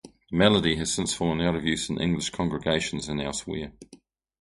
The melody has since fallen out of use in English congregations and elsewhere.